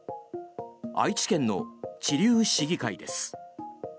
愛知県の知立市議会です。